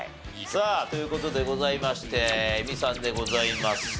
さあという事でございまして映美さんでございます。